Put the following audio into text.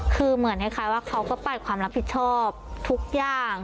คือเหมือนคล้ายว่าเขาก็ปัดความรับผิดชอบทุกอย่าง